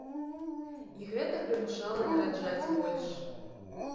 І гэта прымушала нараджаць больш.